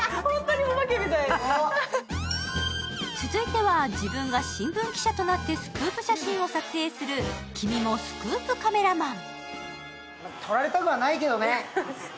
続いては自分が新聞記者となってスクープ写真を撮影する君もスクープカメラマン。